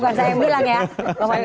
bukan saya yang bilang ya